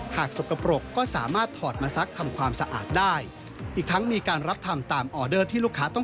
หากสกปรกก็สามารถถอดมาซักทำความสะอาดได้